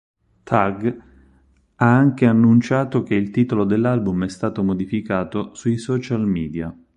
Thug ha anche annunciato che il titolo dell'album è stato modificato sui social media.